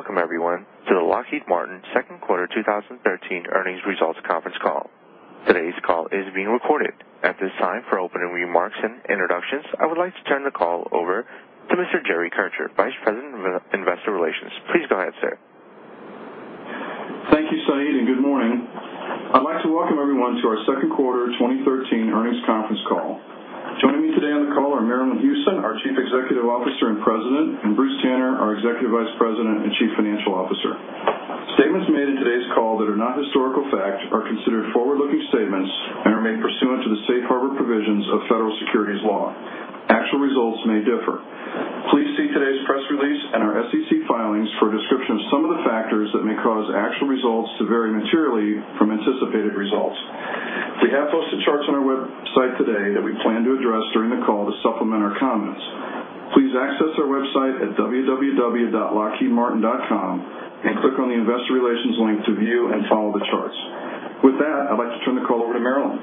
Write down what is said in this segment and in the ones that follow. Good day, and welcome everyone to the Lockheed Martin second quarter 2013 earnings results conference call. Today's call is being recorded. At this time, for opening remarks and introductions, I would like to turn the call over to Mr. Jerry Kircher, Vice President of Investor Relations. Please go ahead, sir. Thank you, Saeed, and good morning. I'd like to welcome everyone to our second quarter 2013 earnings conference call. Joining me today on the call are Marillyn Hewson, our Chief Executive Officer and President, and Bruce Tanner, our Executive Vice President and Chief Financial Officer. Statements made in today's call that are not historical fact are considered forward-looking statements and are made pursuant to the safe harbor provisions of federal securities law. Actual results may differ. Please see today's press release and our SEC filings for a description of some of the factors that may cause actual results to vary materially from anticipated results. We have posted charts on our website today that we plan to address during the call to supplement our comments. Please access our website at www.lockheedmartin.com and click on the investor relations link to view and follow the charts. With that, I'd like to turn the call over to Marillyn.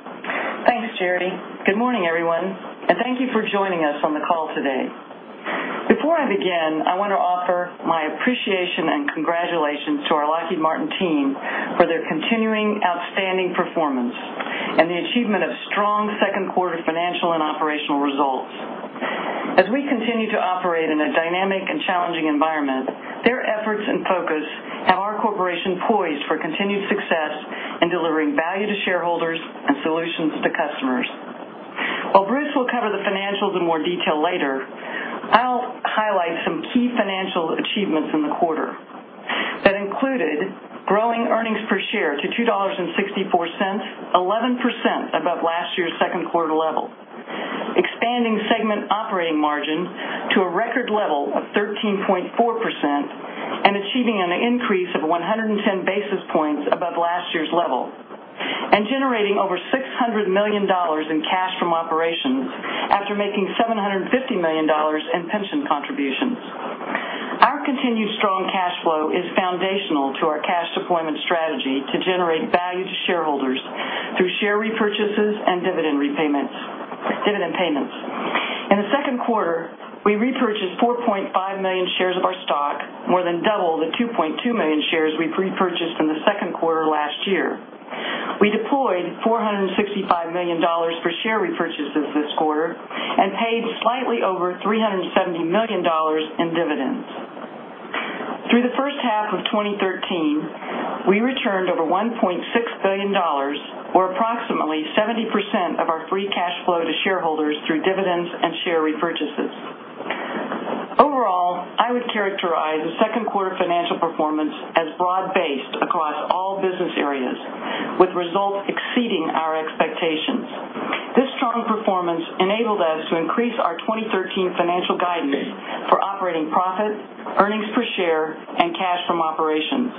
Thanks, Jerry. Good morning, everyone, and thank you for joining us on the call today. Before I begin, I want to offer my appreciation and congratulations to our Lockheed Martin team for their continuing outstanding performance and the achievement of strong second quarter financial and operational results. As we continue to operate in a dynamic and challenging environment, their efforts and focus have our corporation poised for continued success in delivering value to shareholders and solutions to customers. While Bruce will cover the financials in more detail later, I'll highlight some key financial achievements in the quarter that included growing earnings per share to $2.64, 11% above last year's second quarter level, expanding segment operating margin to a record level of 13.4% and achieving an increase of 110 basis points above last year's level, and generating over $600 million in cash from operations after making $750 million in pension contributions. Our continued strong cash flow is foundational to our cash deployment strategy to generate value to shareholders through share repurchases and dividend payments. In the second quarter, we repurchased 4.5 million shares of our stock, more than double the 2.2 million shares we repurchased in the second quarter last year. We deployed $465 million for share repurchases this quarter and paid slightly over $370 million in dividends. Through the first half of 2013, we returned over $1.6 billion, or approximately 70% of our free cash flow to shareholders through dividends and share repurchases. Overall, I would characterize the second quarter financial performance as broad-based across all business areas, with results exceeding our expectations. This strong performance enabled us to increase our 2013 financial guidance for operating profit, earnings per share, and cash from operations.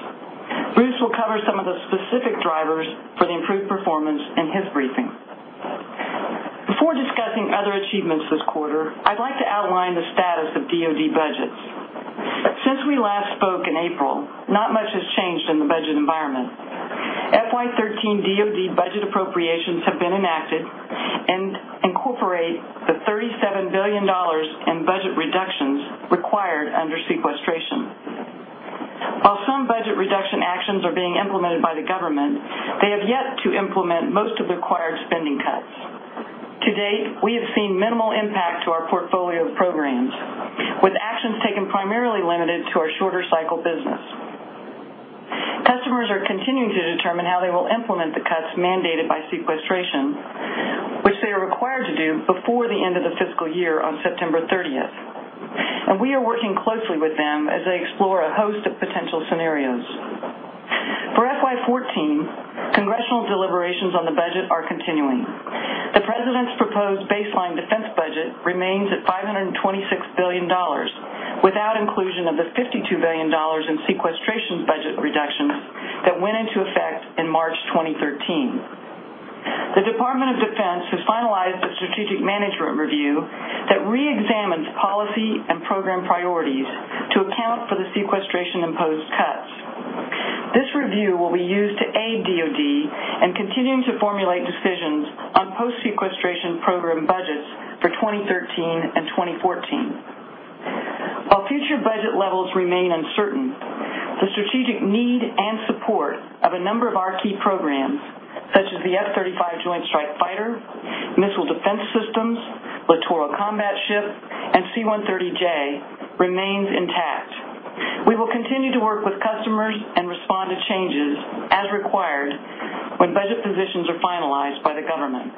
Bruce will cover some of the specific drivers for the improved performance in his briefing. Before discussing other achievements this quarter, I'd like to outline the status of DoD budgets. Since we last spoke in April, not much has changed in the budget environment. FY 2013 DoD budget appropriations have been enacted and incorporate the $37 billion in budget reductions required under sequestration. While some budget reduction actions are being implemented by the government, they have yet to implement most of the required spending cuts. To date, we have seen minimal impact to our portfolio of programs, with actions taken primarily limited to our shorter cycle business. Customers are continuing to determine how they will implement the cuts mandated by sequestration, which they are required to do before the end of the fiscal year on September 30th. We are working closely with them as they explore a host of potential scenarios. For FY 2014, congressional deliberations on the budget are continuing. The president's proposed baseline defense budget remains at $526 billion, without inclusion of the $52 billion in sequestration budget reductions that went into effect in March 2013. The Department of Defense has finalized a strategic management review that reexamines policy and program priorities to account for the sequestration-imposed cuts. This review will be used to aid DoD in continuing to formulate decisions on post-sequestration program budgets for 2013 and 2014. While future budget levels remain uncertain, the strategic need and support of a number of our key programs, such as the F-35 Joint Strike Fighter, Missile Defense Systems, Littoral Combat Ship, and C-130J, remains intact. We will continue to work with customers and respond to changes as required when budget positions are finalized by the government.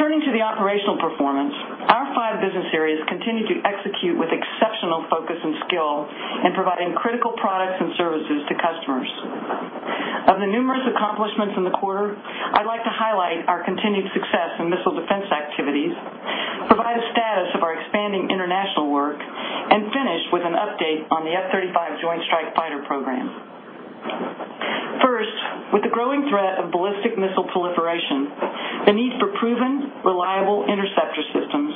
Turning to the operational performance, our five business areas continue to execute with exceptional focus and skill in providing critical products and services to customers. Of the numerous accomplishments in the quarter, I'd like to highlight our continued success in missile defense activities, provide a status of our expanding international work, and finish with an update on the F-35 Joint Strike Fighter program. First, with the growing threat of ballistic missile proliferation, the need for proven, reliable interceptor systems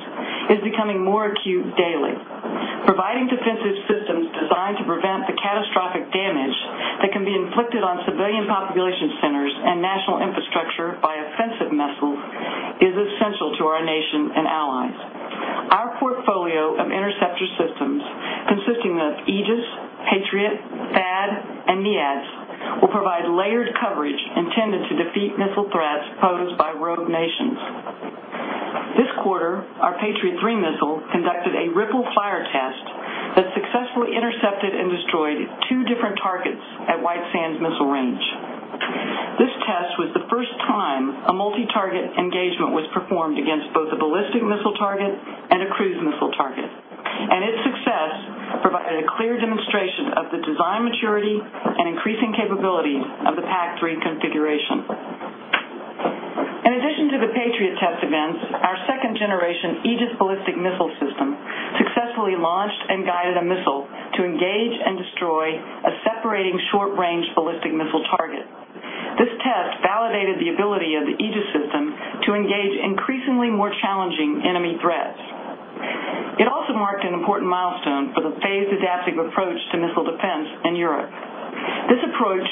is becoming more acute daily. Providing defensive systems designed to prevent the catastrophic damage that can be inflicted on civilian population centers and national to our nation and allies. Our portfolio of interceptor systems, consisting of Aegis, Patriot, THAAD, and MEADS, will provide layered coverage intended to defeat missile threats posed by rogue nations. This quarter, our Patriot 3 missile conducted a ripple fire test that successfully intercepted and destroyed two different targets at White Sands Missile Range. This test was the first time a multi-target engagement was performed against both a ballistic missile target and a cruise missile target, and its success provided a clear demonstration of the design maturity and increasing capability of the PAC-3 configuration. In addition to the Patriot test events, our second-generation Aegis ballistic missile system successfully launched and guided a missile to engage and destroy a separating short-range ballistic missile target. This test validated the ability of the Aegis system to engage increasingly more challenging enemy threats. It also marked an important milestone for the phased adaptive approach to missile defense in Europe. This approach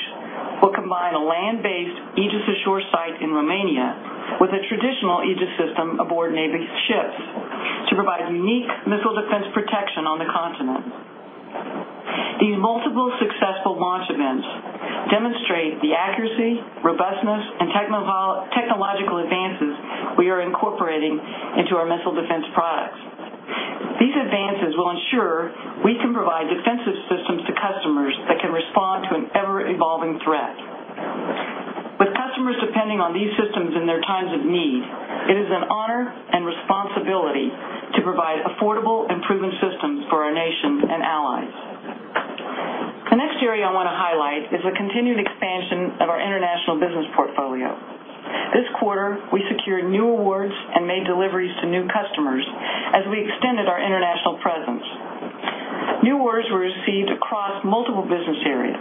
will combine a land-based Aegis ashore site in Romania with a traditional Aegis system aboard Navy ships to provide unique missile defense protection on the continent. These multiple successful launch events demonstrate the accuracy, robustness, and technological advances we are incorporating into our missile defense products. These advances will ensure we can provide defensive systems to customers that can respond to an ever-evolving threat. With customers depending on these systems in their times of need, it is an honor and responsibility to provide affordable and proven systems for our nation and allies. The next area I want to highlight is the continued expansion of our international business portfolio. This quarter, we secured new awards and made deliveries to new customers as we extended our international presence. New awards were received across multiple business areas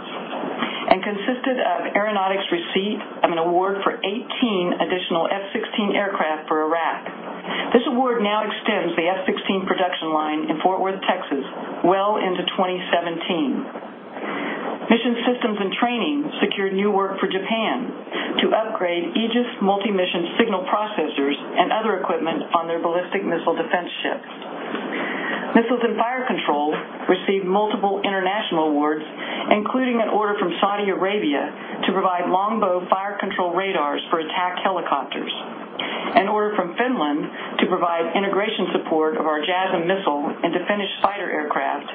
and consisted of Aeronautics receipt of an award for 18 additional F-16 aircraft for Iraq. This award now extends the F-16 production line in Fort Worth, Texas, well into 2017. Mission Systems and Training secured new work for Japan to upgrade Aegis multi-mission signal processors and other equipment on their ballistic missile defense ships. Missiles and Fire Control received multiple international awards, including an order from Saudi Arabia to provide Longbow fire control radars for attack helicopters, an order from Finland to provide integration support of our JASSM missile into Finnish fighter aircraft,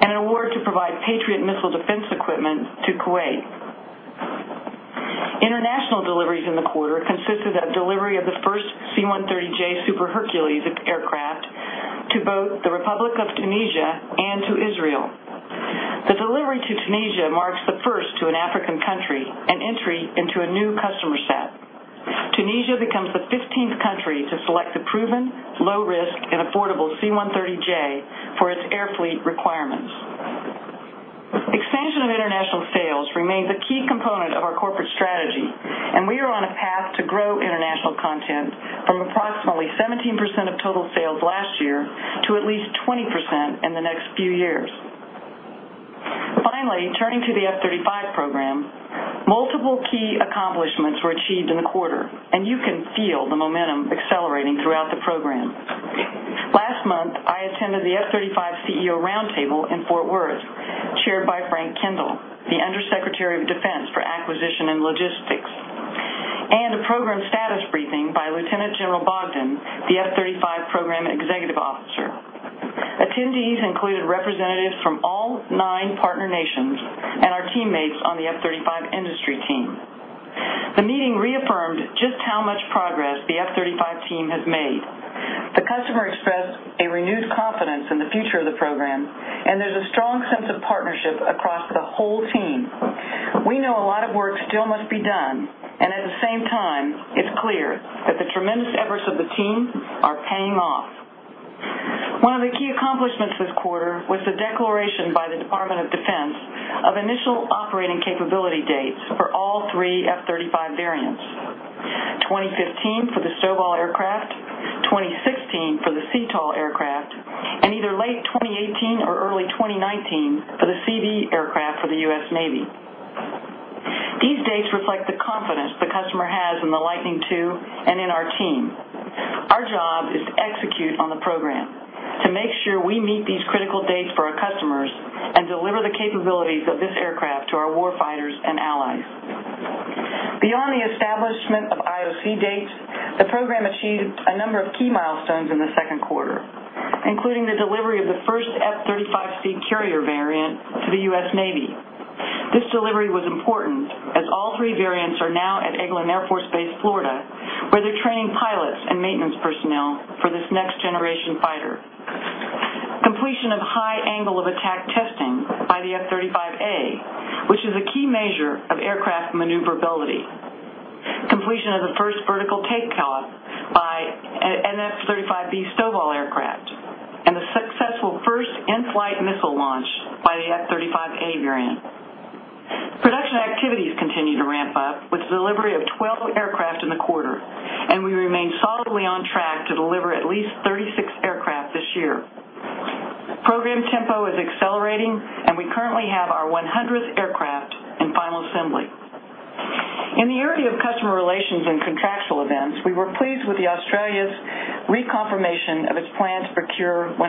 and an an award to provide Patriot missile defense equipment to Kuwait. International deliveries in the quarter consisted of delivery of the first C-130J Super Hercules aircraft to both the Republic of Tunisia and to Israel. The delivery to Tunisia marks the first to an African country and entry into a new customer set. Tunisia becomes the 15th country to select the proven low risk and affordable C-130J for its air fleet requirements. Expansion of international sales remains a key component of our corporate strategy, we are on a path to grow international content from approximately 17% of total sales last year to at least 20% in the next few years. Finally, turning to the F-35 program, multiple key accomplishments were achieved in the quarter, you can feel the momentum accelerating throughout the program. Last month, I attended the F-35 CEO Roundtable in Fort Worth, chaired by Frank Kendall, the Under Secretary of Defense for Acquisition and Logistics, and a program status briefing by Lieutenant General Bogdan, the F-35 Program Executive Officer. Attendees included representatives from all nine partner nations and our teammates on the F-35 industry team. The meeting reaffirmed just how much progress the F-35 team has made. The customer expressed a renewed confidence in the future of the program, and there's a strong sense of partnership across the whole team. We know a lot of work still must be done, and at the same time, it's clear that the tremendous efforts of the team are paying off. One of the key accomplishments this quarter was the declaration by the Department of Defense of initial operating capability dates for all three F-35 variants. 2015 for the STOVL aircraft, 2016 for the CTOL aircraft, and either late 2018 or early 2019 for the CV aircraft for the U.S. Navy. These dates reflect the confidence the customer has in the Lightning II and in our team. Our job is to execute on the program to make sure we meet these critical dates for our customers and deliver the capabilities of this aircraft to our war fighters and allies. Beyond the establishment of IOC dates, the program achieved a number of key milestones in the second quarter, including the delivery of the first F-35C carrier variant to the U.S. Navy. This delivery was important as all three variants are now at Eglin Air Force Base, Florida, where they're training pilots and maintenance personnel for this next generation fighter. Completion of high angle of attack testing by the F-35A, which is a key measure of aircraft maneuverability. Completion of the first vertical takeoff by an F-35B STOVL aircraft, and the successful first in-flight missile launch by the F-35A variant. Production activities continue to ramp up with delivery of 12 aircraft in the quarter, and we remain solidly on track to deliver at least 36 aircraft this year. Program tempo is accelerating, and we currently have our 100th aircraft. In the area of customer relations and contractual events, we were pleased with Australia's reconfirmation of its plan to procure 100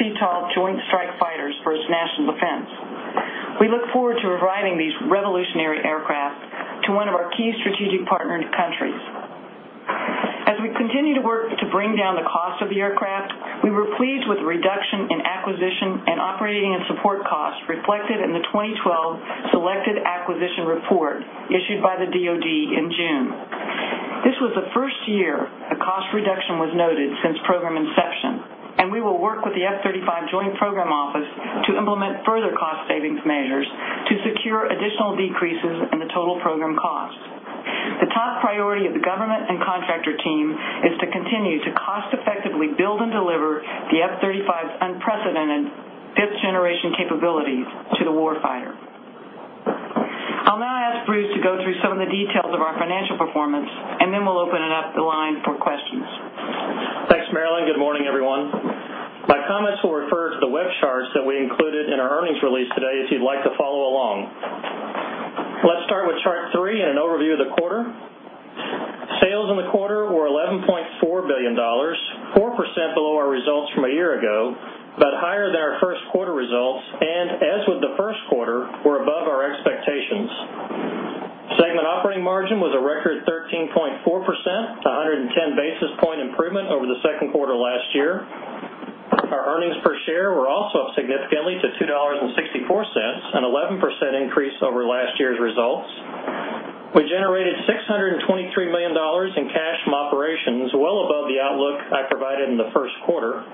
CTOL Joint Strike Fighters for its national defense. We look forward to providing these revolutionary aircraft to one of our key strategic partner countries. As we continue to work to bring down the cost of the aircraft, we were pleased with the reduction in acquisition and operating and support costs reflected in the 2012 Selected Acquisition Report issued by the DoD in June. This was the first year a cost reduction was noted since program inception, and we will work with the F-35 Joint Program Office to implement further cost savings measures to secure additional decreases in the total program cost. The top priority of the government and contractor team is to continue to cost effectively build and deliver the F-35's unprecedented fifth-generation capabilities to the war fighter. I'll now ask Bruce to go through some of the details of our financial performance. Then we'll open it up the line for questions. Thanks, Marillyn. Good morning, everyone. My comments will refer to the web charts that we included in our earnings release today, if you'd like to follow along. Let's start with chart three and an overview of the quarter. Sales in the quarter were $11.4 billion, 4% below our results from a year ago. Higher than our first quarter results, as with the first quarter, were above our expectations. Segment operating margin was a record 13.4%, 110 basis point improvement over the second quarter last year. Our earnings per share were also up significantly to $2.64, an 11% increase over last year's results. We generated $623 million in cash from operations, well above the outlook I provided in the first quarter.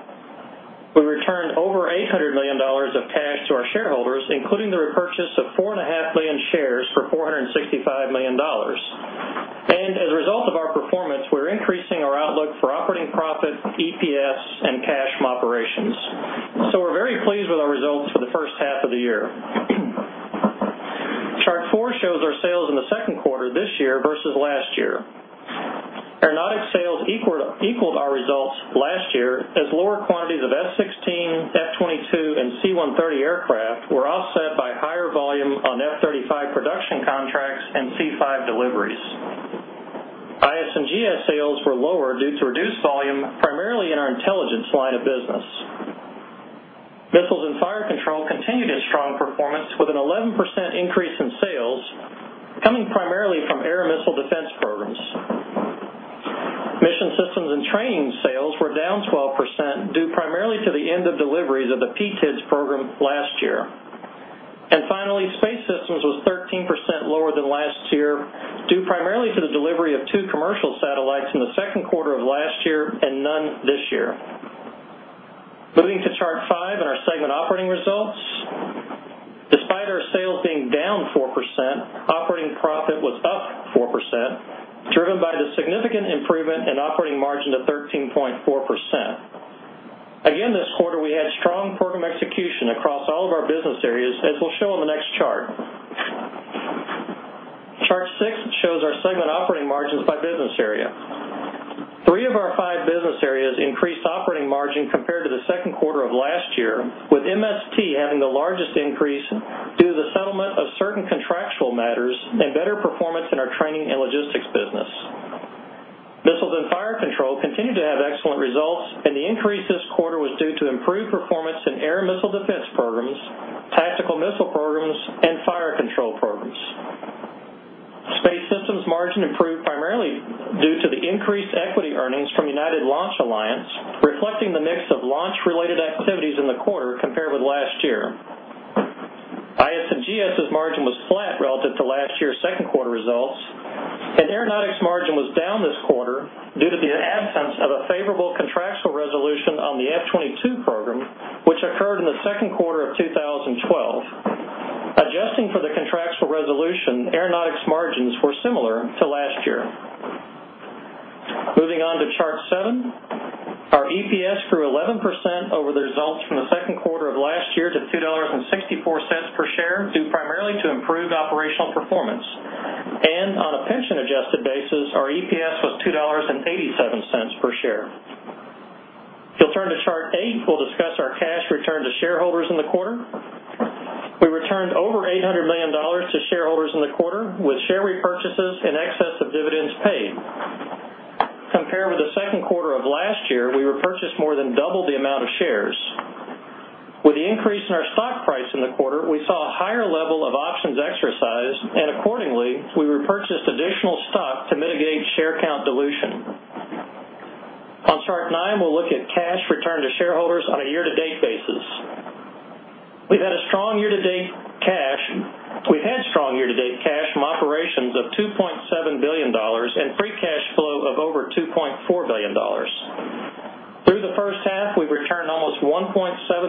We returned over $800 million of cash to our shareholders, including the repurchase of 4.5 million shares for $465 million. As a result of our performance, we're increasing our outlook for operating profit, EPS, and cash from operations. We're very pleased with our results for the first half of the year. Chart four shows our sales in the second quarter this year versus last year. Aeronautics sales equaled our results last year as lower quantities of F-16, F-22, and C-130 aircraft were offset by higher volume on F-35 production contracts and C-5 deliveries. IS&GS sales were lower due to reduced volume, primarily in our intelligence line of business. Missiles & Fire Control continued its strong performance with an 11% increase in sales coming primarily from air missile defense programs. Mission Systems & Training sales were down 12%, due primarily to the end of deliveries of the PTDS program last year. Finally, Space Systems was 13% lower than last year, due primarily to the delivery of two commercial satellites in the second quarter of last year and none this year. Moving to chart five and our segment operating results. Despite our sales being down 4%, operating profit was up 4%, driven by the significant improvement in operating margin to 13.4%. Again, this quarter, we had strong program execution across all of our business areas, as we'll show on the next chart. Chart six shows our segment operating margins by business area. Three of our five business areas increased operating margin compared to the second quarter of last year, with MST having the largest increase due to the settlement of certain contractual matters and better performance in our training and logistics business. Missiles & Fire Control continued to have excellent results. The increase this quarter was due to improved performance in air missile defense programs, tactical missile programs, and fire control programs. Space Systems' margin improved primarily due to the increased equity earnings from United Launch Alliance, reflecting the mix of launch-related activities in the quarter compared with last year. IS&GS's margin was flat relative to last year's second quarter results. Aeronautics' margin was down this quarter due to the absence of a favorable contractual resolution on the F-22 program, which occurred in the second quarter of 2012. Adjusting for the contractual resolution, Aeronautics' margins were similar to last year. Moving on to chart seven. Our EPS grew 11% over the results from the second quarter of last year to $2.64 per share, due primarily to improved operational performance. On a pension-adjusted basis, our EPS was $2.87 per share. If you'll turn to chart eight, we'll discuss our cash return to shareholders in the quarter. We returned over $800 million to shareholders in the quarter, with share repurchases in excess of dividends paid. Compared with the second quarter of last year, we repurchased more than double the amount of shares. With the increase in our stock price in the quarter, we saw a higher level of options exercised, accordingly, we repurchased additional stock to mitigate share count dilution. On chart nine, we'll look at cash returned to shareholders on a year-to-date basis. We've had strong year-to-date cash from operations of $2.7 billion and free cash flow of over $2.4 billion. Through the first half, we've returned almost $1.7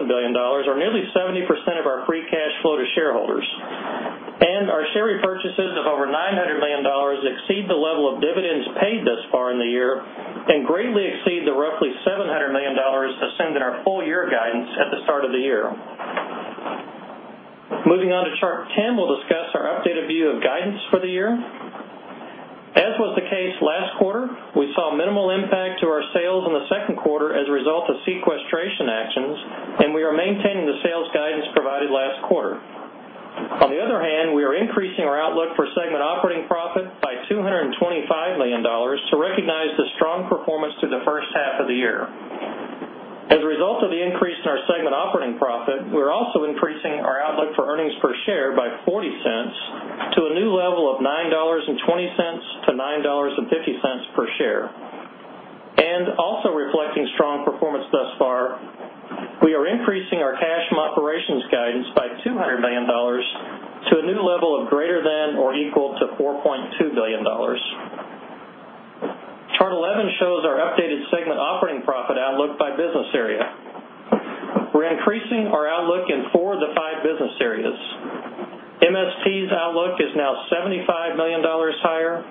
billion, or nearly 70% of our free cash flow to shareholders. Our share repurchases of over $900 million exceed the level of dividends paid thus far in the year and greatly exceed the roughly $700 million assumed in our full year guidance at the start of the year. Moving on to chart 10, we'll discuss our updated view of guidance for the year. As was the case last quarter, we saw minimal impact to our sales in the second quarter as a result of sequestration actions, and we are maintaining the sales guidance provided last quarter. On the other hand, we are increasing our outlook for segment operating profit by $225 million to recognize the strong performance through the first half of the year. As a result of the increase in our segment operating profit, we're also increasing our outlook for earnings per share by $0.40 to a new level of $9.20-$9.50 per share. Also reflecting strong performance thus far, we are increasing our cash operations guidance by $200 million to a new level of greater than or equal to $4.2 billion. Chart 11 shows our updated segment operating profit outlook by business area. We're increasing our outlook in four of the five business areas. MST's outlook is now $75 million higher,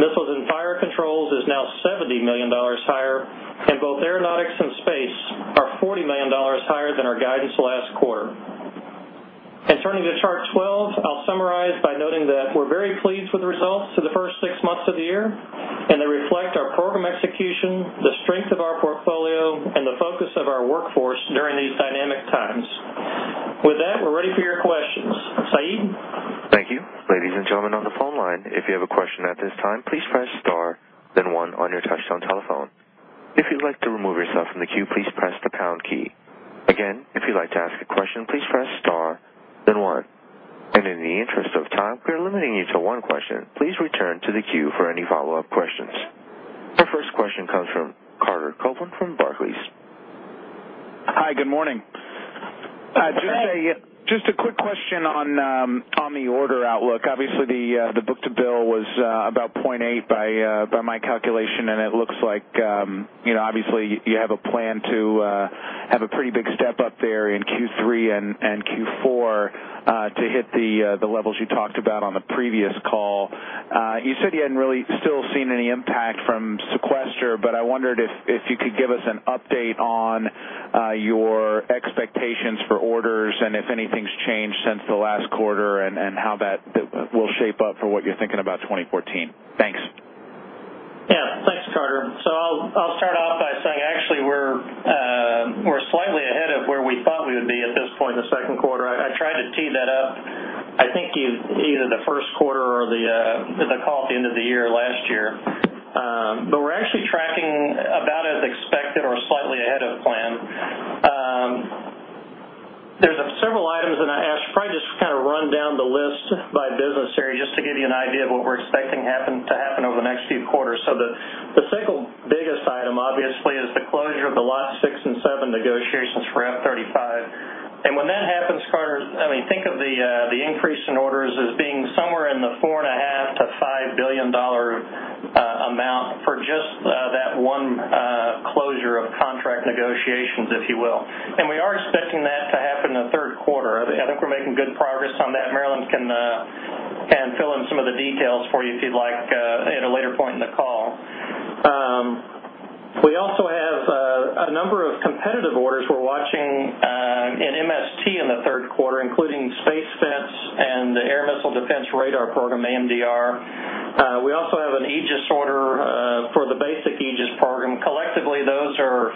Missiles & Fire Control's is now $70 million higher, and both Aeronautics and Space are $40 million higher than our guidance last quarter. Turning to chart 12, I'll summarize by noting that we're very pleased with the results for the first six months of the year, and they reflect our program execution, the strength of our portfolio, and the focus of our workforce during these dynamic times. With that, we're ready for your questions. Saeed? Thank you. Ladies and gentlemen on the phone line, if you have a question at this time, please press star then one on your touch-tone telephone. If you'd like to remove yourself from the queue, please press the pound key. Again, if you'd like to ask a question, please press star then one. In the interest of time, we are limiting you to one question. Please return to the queue for any follow-up questions. Our first question comes from Carter Copeland from Barclays. Hi, good morning. Good morning. Just a quick question on the order outlook. Obviously, the book-to-bill was about 0.8 by my calculation, and it looks like obviously you have a plan to have a pretty big step up there in Q3 and Q4 to hit the levels you talked about on the previous call. You said you hadn't really still seen any impact from sequester, but I wondered if you could give us an update on your expectations for orders and if anything's changed since the last quarter and how that will shape up for what you're thinking about 2014. Thanks. Yeah. Thanks, Carter. I'll start off by saying actually we're slightly ahead of where we thought we would be at this point in the second quarter. I tried to tee that up, I think either the first quarter or the call at the end of the year last year. We're actually tracking about as expected or slightly ahead of plan. There's several items, and I should probably just run down the list by business area, just to give you an idea of what we're expecting to happen over the next few quarters. The single biggest item, obviously, is the closure of the Lot six and seven negotiations for F-35. When that happens, Carter, think of the increase in orders as being somewhere in the $4.5 billion-$5 billion amount for just that one closure of contract negotiations, if you will. We are expecting that to happen in the third quarter. I think we're making good progress on that. Marillyn can fill in some of the details for you, if you'd like, at a later point in the call. We also have a number of competitive orders we're watching in MST in the third quarter, including Space Fence and the Air and Missile Defense Radar program, AMDR. We also have an Aegis order for the basic Aegis program. Collectively, those are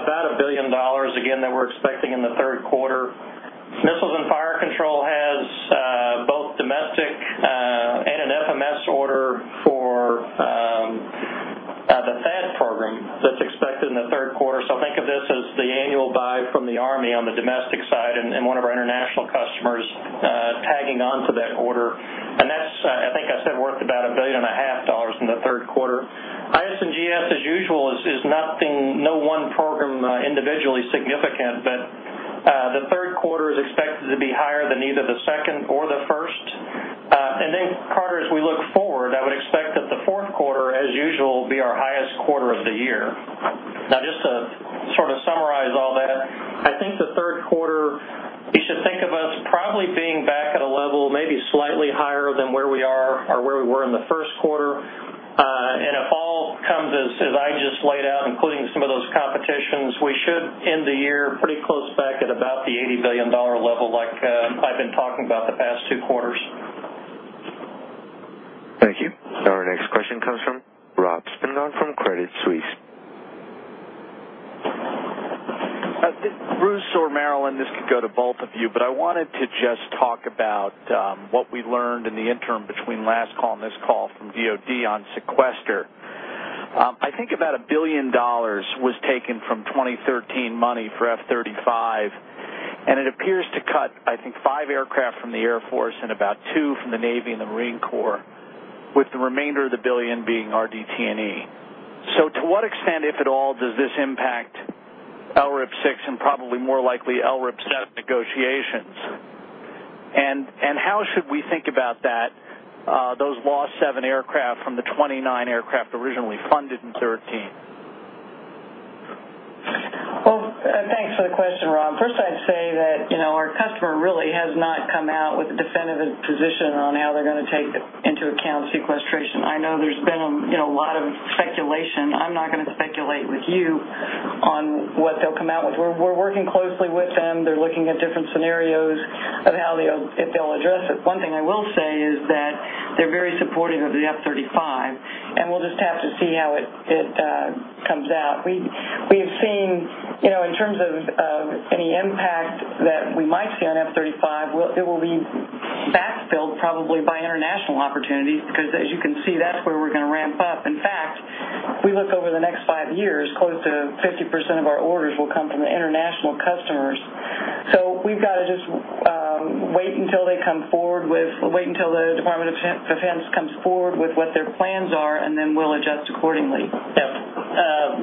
about $1 billion, again, that we're expecting in the third quarter. Missiles & Fire Control has both domestic and an FMS order for the THAAD program that's expected in the third quarter. Think of this as the annual buy from the Army on the domestic side and one of our international customers tagging on to that order. That's, I think I said, worth about $1.5 billion in the third quarter. IS&GS, as usual, is no one program individually significant, but the third quarter is expected to be higher than either the second or the first. Carter, as we look forward, I would expect that the fourth quarter, as usual, will be our highest quarter of the year. Just to sort of summarize all that, I think the third quarter, you should think of us probably being back at a level maybe slightly higher than where we are or where we were in the first quarter. If all comes as I just laid out, including some of those competitions, we should end the year pretty close back at about the $80 billion level like I've been talking about the past two quarters. Thank you. Our next question comes from Robert Spingarn from Credit Suisse. Bruce or Marillyn, this could go to both of you, but I wanted to just talk about what we learned in the interim between last call and this call from DoD on sequester. I think about $1 billion was taken from 2013 money for F-35, and it appears to cut, I think, five aircraft from the Air Force and about two from the Navy and the Marine Corps, with the remainder of the $1 billion being RD, T&E. To what extent, if at all, does this impact LRIP six and probably more likely LRIP seven negotiations? How should we think about those lost seven aircraft from the 29 aircraft originally funded in 2013? Well, thanks for the question, Rob. First, I'd say that our customer really has not come out with a definitive position on how they're going to take into account sequestration. I know there's been will come out with. We're working closely with them. They're looking at different scenarios of how they'll address it. One thing I will say is that they're very supportive of the F-35, and we'll just have to see how it comes out. We've seen, in terms of any impact that we might see on F-35, it will be backfilled probably by international opportunities, because as you can see, that's where we're going to ramp up. In fact, if we look over the next five years, close to 50% of our orders will come from the international customers. We've got to just wait until the Department of Defense comes forward with what their plans are, and then we'll adjust accordingly. Yeah.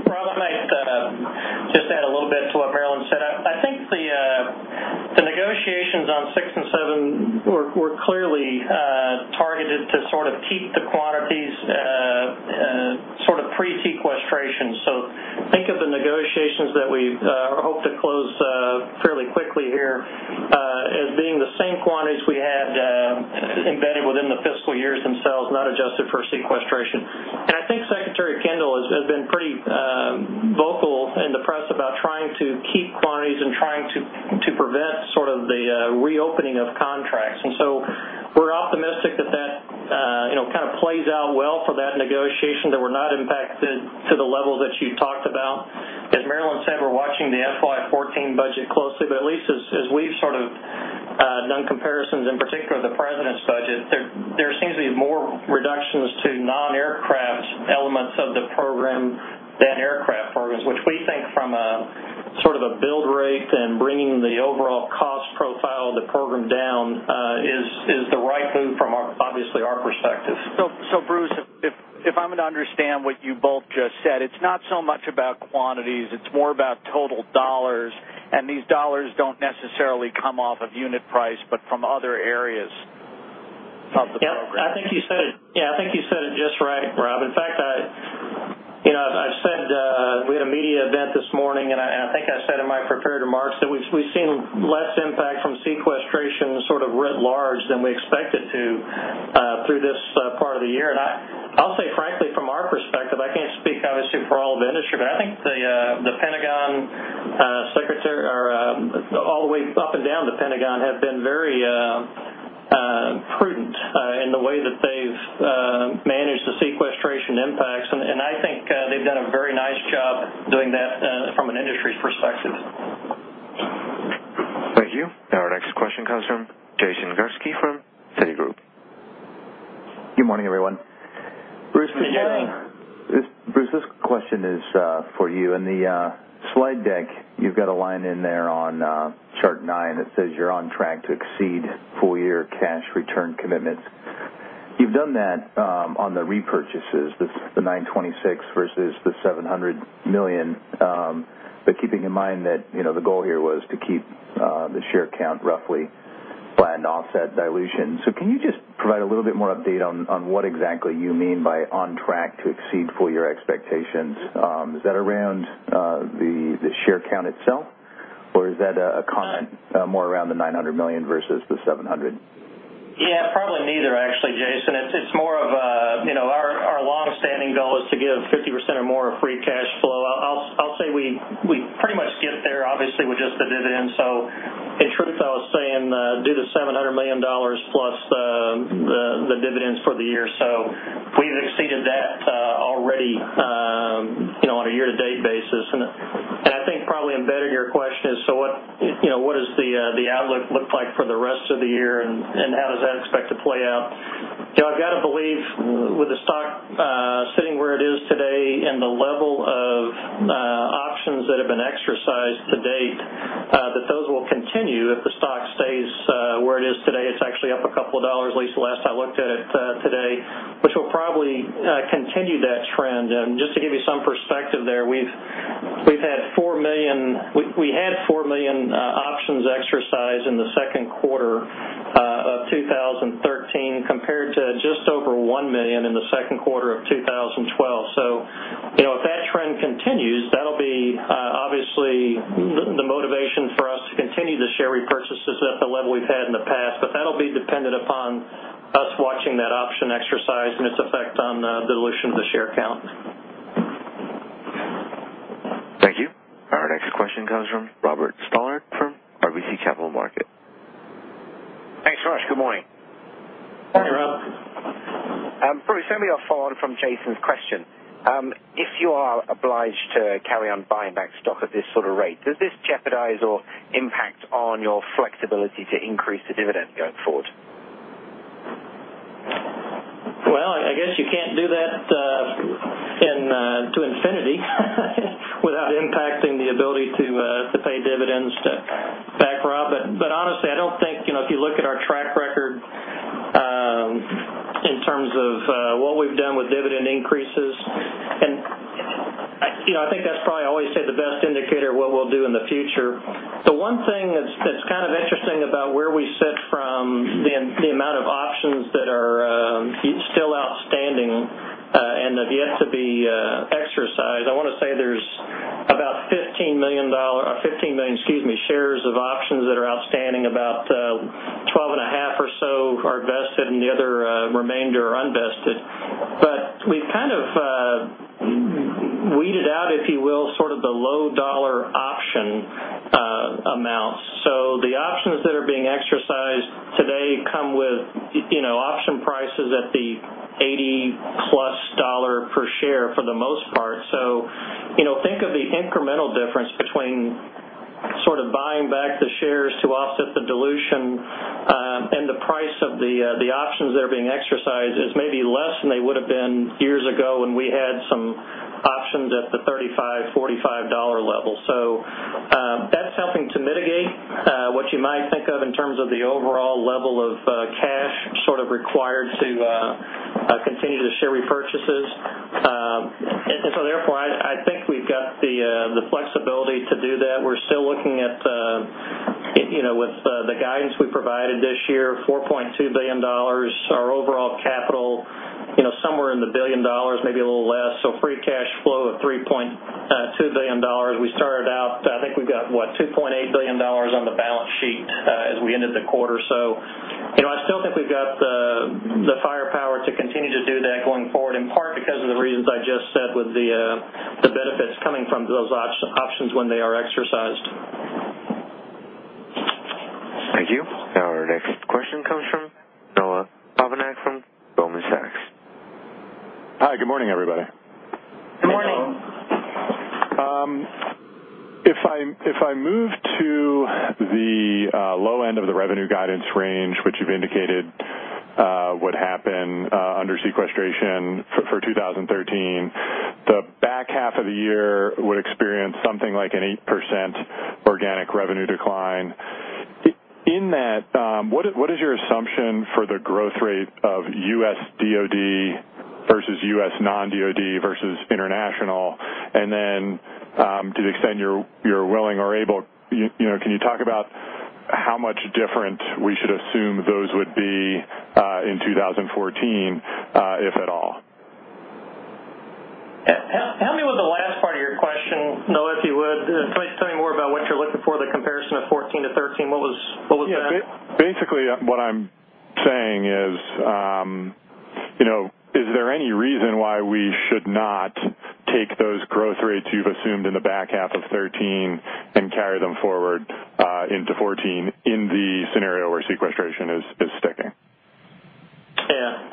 Rob, I might just add a little bit to what Marillyn said. I think the negotiations on six and seven were clearly targeted to keep the quantities pre-sequestration. Think of the negotiations that we hope to close fairly quickly here as being the same quantities we had embedded within the fiscal years themselves, not adjusted for sequestration. I think Secretary Kendall has been pretty vocal in the press about trying to keep quantities and trying to prevent the reopening of contracts. We're optimistic that that kind of plays out well for that negotiation, that we're not impacted to the level that you talked about. As Marillyn said, we're watching the FY 2014 budget closely, but at least as we've done comparisons, in particular, the president's budget, there seems to be more reductions to non-aircraft elements of the program than aircraft programs, which we think from a build rate and bringing the overall cost profile of the program down, is the right move from, obviously, our perspective. Bruce, if I'm to understand what you both just said, it's not so much about quantities, it's more about total $, and these $ don't necessarily come off of unit price, but from other areas of the program. I think you said it just right, Rob. We had a media event this morning, I think I said in my prepared remarks that we've seen less impact from sequestration writ large than we expected to through this part of the year. I'll say frankly, from our perspective, I can't speak obviously for all of the industry, but I think all the way up and down the Pentagon have been very prudent in the way that they've managed the sequestration impacts. I think they've done a very nice job doing that from an industry perspective. Thank you. Our next question comes from Jason Gursky from Citigroup. Good morning, everyone. Good morning. Bruce, this question is for you. In the slide deck, you've got a line in there on chart nine that says you're on track to exceed full-year cash return commitments. You've done that on the repurchases, the $926 versus the $700 million. Keeping in mind that the goal here was to keep the share count roughly flat and offset dilution. Can you just provide a little bit more update on what exactly you mean by on track to exceed full year expectations? Is that around the share count itself, or is that a comment more around the $900 million versus the $700? Probably neither, actually, Jason. Our longstanding goal is to give 50% or more of free cash flow. I'll say we pretty much get there, obviously, with just the dividend. In truth, I was saying, do the $700 million plus the dividends for the year. We've exceeded that already on a year-to-date basis. I think probably embedded in your question is, what does the outlook look like for the rest of the year, and how does that expect to play out? I've got to believe with the stock sitting where it is today and the level of options that have been exercised to date, that those will continue if the stock stays where it is today. It's actually up a couple of dollars, at least the last I looked at it today, which will probably continue that trend. Just to give you some perspective there, we had 4 million options exercised in the second quarter of 2013 compared to just over 1 million in the second quarter of 2012. If that trend continues, that'll be obviously the motivation for us to continue the share repurchases at the level we've had in the past. That'll be dependent upon us watching that option exercise and its effect on the dilution of the share count. Thank you. Our next question comes from Robert Stallard from RBC Capital Markets. Thanks, Rush. Good morning. Hi, Rob. Bruce, maybe a follow-on from Jason's question. If you are obliged to carry on buying back stock at this sort of rate, does this jeopardize or impact on your flexibility to increase the dividend going forward? I guess you can't do that to infinity without impacting the ability to pay dividends back, Rob. Honestly, if you look at our track record in terms of what we've done with dividend increases, and I think that's probably always the best indicator of what we'll do in the future. The one thing that's kind of interesting about where we sit from the amount of options that are still outstanding and have yet to be exercised, I want to say there's about 15 million shares of options that are outstanding, about 12 1/2 or so, if you will, sort of the low dollar option amounts. The options that are being exercised today come with option prices at the $80+ per share for the most part. Think of the incremental difference between sort of buying back the shares to offset the dilution, and the price of the options that are being exercised is maybe less than they would have been years ago when we had some options at the $35, $45 level. That's helping to mitigate what you might think of in terms of the overall level of cash required to continue the share repurchases. Therefore, I think we've got the flexibility to do that. We're still looking at, with the guidance we provided this year, $4.2 billion, our overall capital somewhere in the billion dollars, maybe a little less. Free cash flow of $3.2 billion. We started out, I think we've got, what, $2.8 billion on the balance sheet as we ended the quarter. I still think we've got the firepower to continue to do that going forward, in part because of the reasons I just said with the benefits coming from those options when they are exercised. Thank you. Our next question comes from Noah Poponak from Goldman Sachs. Hi, good morning, everybody. Good morning. Hello. If I move to the low end of the revenue guidance range, which you've indicated would happen under sequestration for 2013, the back half of the year would experience something like an 8% organic revenue decline. In that, what is your assumption for the growth rate of U.S. DoD versus U.S. non-DoD versus international? To the extent you're willing or able, can you talk about how much different we should assume those would be in 2014, if at all? Help me with the last part of your question, Noah, if you would. Tell me more about what you're looking for, the comparison of 2014 to 2013. What was that? Yeah. Basically, what I'm saying is there any reason why we should not take those growth rates you've assumed in the back half of 2013 and carry them forward into 2014 in the scenario where sequestration is sticking? Yeah.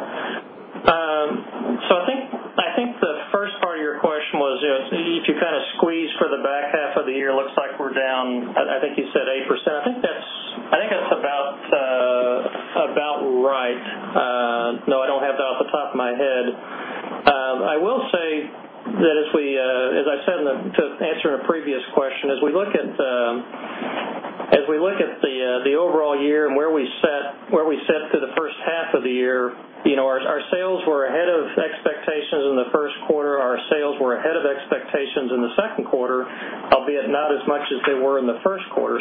I think the first part of your question was if you kind of squeeze for the back half of the year, looks like we're down, I think you said 8%. I think that's about right. Noah, I don't have that off the top of my head. I will say that as I said in answering a previous question, as we look at the overall year and where we sit through the first half of the year, our sales were ahead of expectations in the first quarter. Our sales were ahead of expectations in the second quarter, albeit not as much as they were in the first quarter.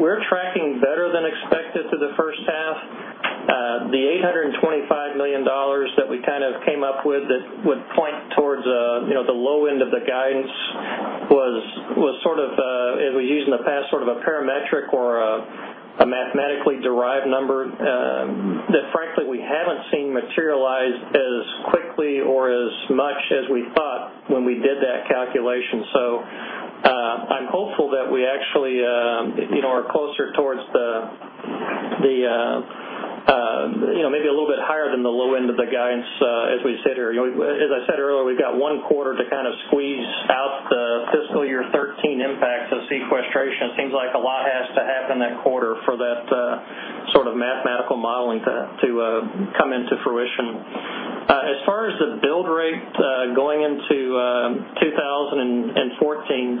We're tracking better than expected through the first half. The $825 million that we kind of came up with that would point towards the low end of the guidance was sort of, as we used in the past, sort of a parametric or a mathematically derived number that frankly we haven't seen materialize as quickly or as much as we thought when we did that calculation. I'm hopeful that we actually are closer towards maybe a little bit higher than the low end of the guidance as we sit here. As I said earlier, we've got one quarter to kind of squeeze out the fiscal year 2013 impacts of sequestration. It seems like a lot has to happen that quarter for that sort of mathematical modeling to come into fruition. As far as the build rate, going into 2014,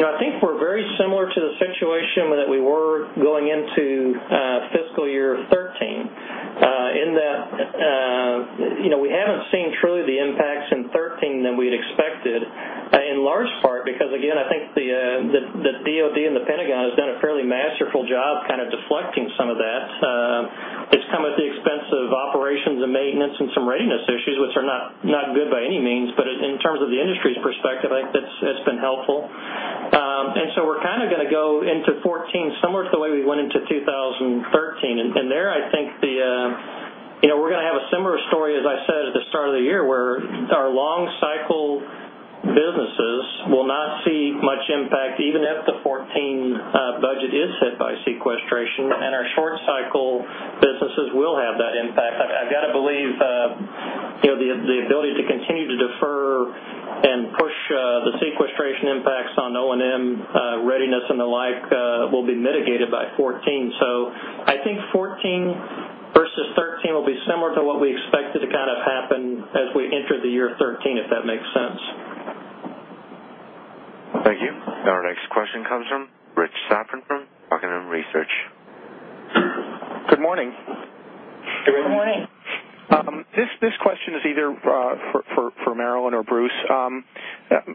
I think we're very similar to the situation that we were going into fiscal year 2013, in that we haven't seen truly the impacts in 2013 that we'd expected, in large part because, again, I think the DoD and the Pentagon has done a fairly masterful job kind of deflecting some of that. It's come at the expense of operations and maintenance and some readiness issues, which are not good by any means, but in terms of the industry's perspective, I think that's been helpful. We're kind of going to go into 2014 similar to the way we went into 2013. There, I think we're going to have a similar story as I said at the start of the year, where our long cycle businesses will not see much impact even if the 2014 budget is hit by sequestration, and our short cycle businesses will have that impact. I've got to believe the ability to continue to defer and push the sequestration impacts on O&M readiness and the like will be mitigated by 2014. I think 2014 versus 2013 will be similar to what we expected to kind of happen as we entered the year 2013, if that makes sense. Thank you. Our next question comes from Richard Safran from Buckingham Research. Good morning. Good morning. Good morning. This question is either for Marillyn or Bruce.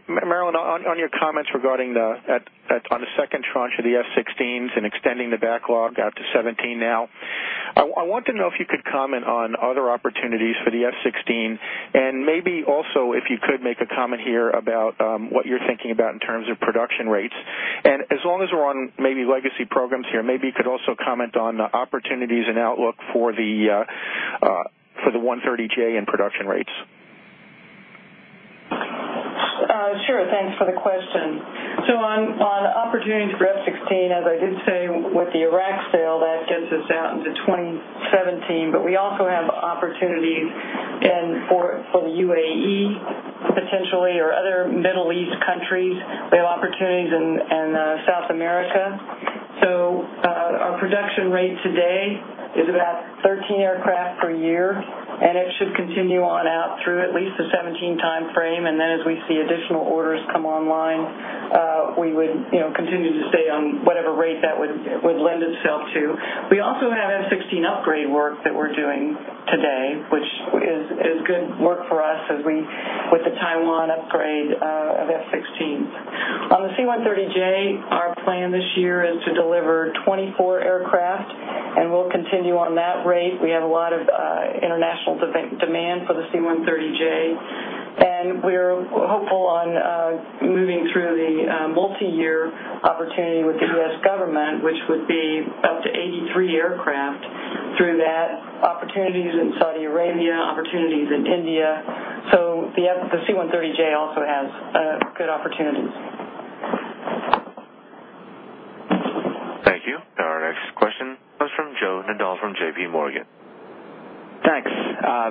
Marillyn, on your comments regarding on the second tranche of the F-16s and extending the backlog out to 2017 now, I want to know if you could comment on other opportunities for the F-16 and maybe also if you could make a comment here about what you're thinking about in terms of production rates. As long as we're on maybe legacy programs here, maybe you could also comment on opportunities and outlook for the C-130J and production rates. Sure. Thanks for the question. On opportunities for F-16, as I did say with the Iraq sale, that gets us out into 2017, but we also have opportunities for the UAE potentially, or other Middle East countries. We have opportunities in South America. Our production rate today is about 13 aircraft per year, and it should continue on out through at least the 2017 timeframe. Then as we see additional orders come online, we would continue to stay on whatever rate that would lend itself to. We also have F-16 upgrade work that we're doing today, which is good work for us as with the Taiwan upgrade of F-16s. On the C-130J, our plan this year is to deliver 24 aircraft, and we'll continue on that rate. We have a lot of international demand for the C-130J, we're hopeful on moving through the multi-year opportunity with the U.S. government, which would be up to 83 aircraft through that. Opportunities in Saudi Arabia, opportunities in India. The C-130J also has good opportunities. Thank you. Our next question comes from Joseph Nadol from J.P. Morgan. Thanks.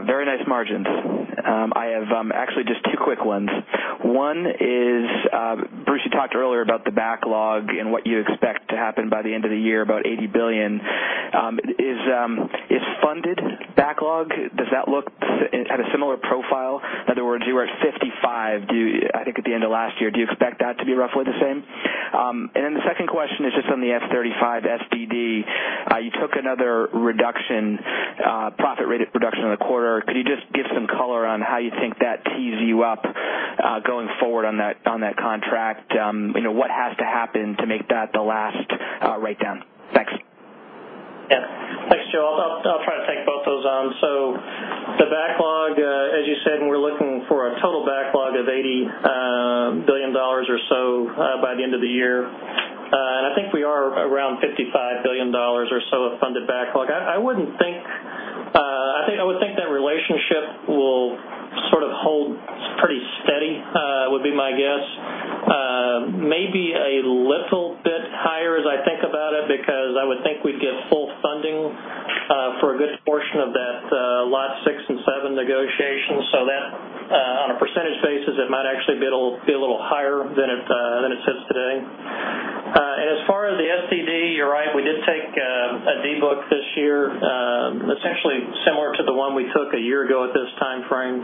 Very nice margins. I have actually just two quick ones. One is, Bruce, you talked earlier about the backlog and what you expect to happen by the end of the year, about $80 billion. Is funded backlog, does that look at a similar profile? In other words, you were at $55 billion, I think, at the end of last year. Do you expect that to be roughly the same? The second question is just on the F-35 SDD. You took another reduction, profit rate of reduction in the quarter. Could you just give some color on how you think that tees you up, going forward on that contract? What has to happen to make that the last write-down? Thanks. Thanks, Joe. I'll try to take both those on. The backlog, as you said, we're looking for a total backlog of $80 billion or so by the end of the year. I think we are around $55 billion or so of funded backlog. I would think that relationship will sort of hold pretty steady, would be my guess. Maybe a little bit higher, as I think about it, because I would think we'd get full funding for a good portion of that lot 6 and 7 negotiations. That, on a percentage basis, it might actually be a little higher than it sits today. As far as the SDD, you're right, we did take a de-book this year, essentially similar to the one we took a year ago at this timeframe.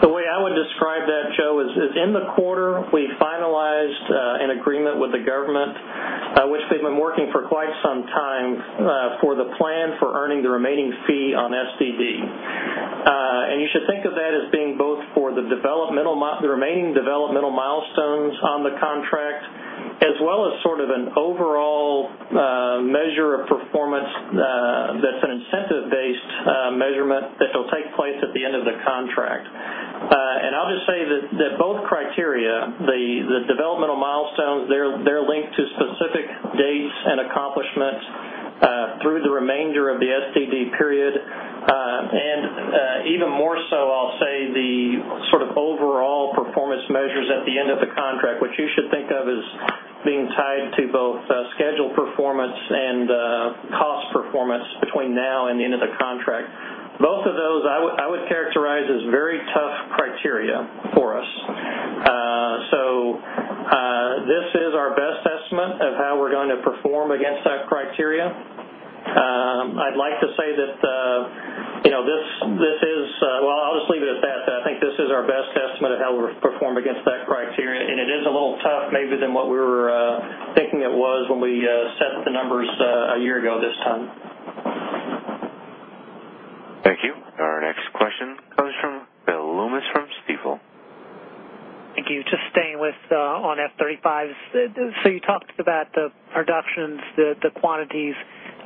The way I would describe that, Joe, is in the quarter, we finalized an agreement with the government, which we've been working for quite some time, for the plan for earning the remaining fee on SDD. You should think of that as being both for the remaining developmental milestones on the contract, as well as sort of an overall measure of performance that's an incentive-based measurement that will take place at the end of the contract. I'll just say that both criteria, the developmental milestones, they're linked to specific dates and accomplishments through the remainder of the SDD period. Even more so, I'll say the sort of overall performance measures at the end of the contract, which you should think of as being tied to both schedule performance and cost performance between now and the end of the contract. Both of those I would characterize as very tough criteria for us. This is our best estimate of how we're going to perform against that criteria. I'd like to say that, I'll just leave it at that I think this is our best estimate of how we'll perform against that criteria. It is a little tough maybe than what we were thinking it was when we set the numbers a year ago this time. Thank you. Our next question comes from William Loomis from Stifel. Thank you. Just staying with on F-35s. You talked about the productions, the quantities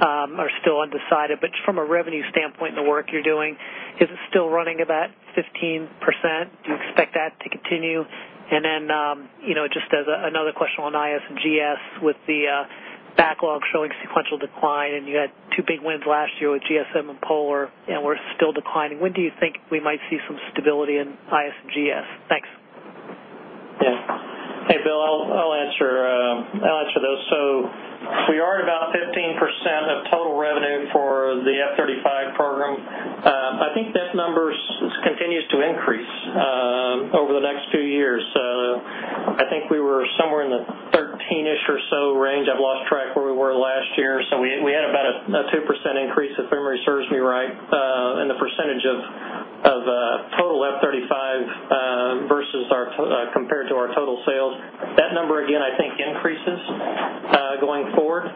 are still undecided, but from a revenue standpoint and the work you're doing, is it still running about 15%? Do you expect that to continue? Just as another question on IS&GS with the backlog showing sequential decline, and you had two big wins last year with GSM and Polar, and we're still declining. When do you think we might see some stability in IS&GS? Thanks. Yeah. Hey, Bill, I'll answer those. We are at about 15% of total revenue for the F-35 program. I think that number continues to increase over the next two years. I think we were somewhere in the 13-ish or so range. I've lost track where we were last year. We had about a 2% increase, if memory serves me right, in the percentage of total F-35 compared to our total sales. That number, again, I think increases going forward.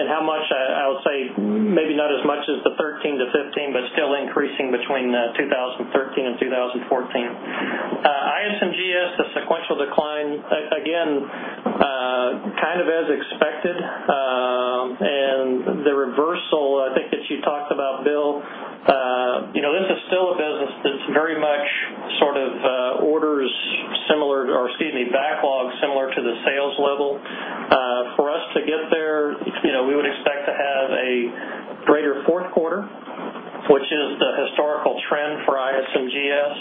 How much, I would say maybe not as much as the 13 to 15, but still increasing between 2013 and 2014. IS&GS, the sequential decline, again, still a business that's very much orders similar, or excuse me, backlog similar to the sales level. For us to get there, we would expect to have a greater fourth quarter, which is the historical trend for IS&GS.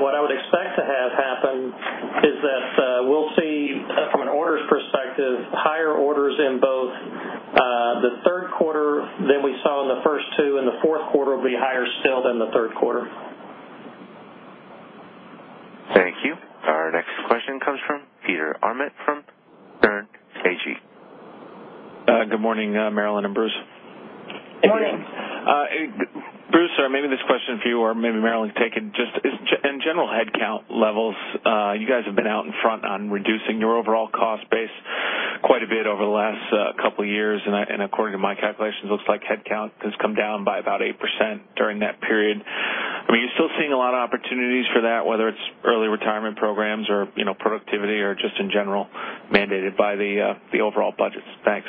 What I would expect to have happen is that we'll see, from an orders perspective, higher orders in both the third quarter than we saw in the first two, and the fourth quarter will be higher still than the third quarter. Thank you. Our next question comes from Peter Arment from Bernstein. Good morning, Marillyn and Bruce. Good morning. Bruce, maybe this question for you or maybe Marillyn can take it. Just in general headcount levels, you guys have been out in front on reducing your overall cost base quite a bit over the last couple of years, and according to my calculations, looks like headcount has come down by about 8% during that period. Are you still seeing a lot of opportunities for that, whether it's early retirement programs or productivity, or just in general mandated by the overall budgets? Thanks.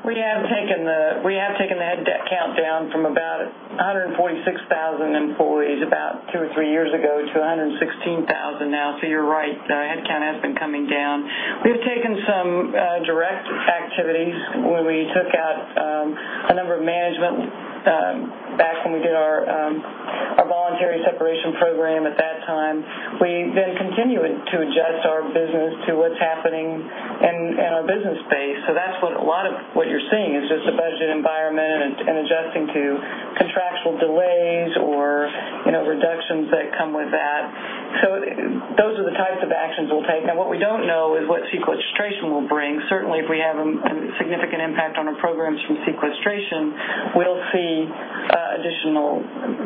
We have taken the headcount down from about 146,000 employees about two or three years ago to 116,000 now. You're right, headcount has been coming down. We've taken some direct activities where we took out a number of management back when we did our voluntary separation program at that time. We've been continuing to adjust our business to what's happening in our business space. That's what a lot of what you're seeing is just a budget environment and adjusting to contractual delays or reductions that come with that. Those are the types of actions we'll take. What we don't know is what sequestration will bring. Certainly, if we have a significant impact on our programs from sequestration, we'll see additional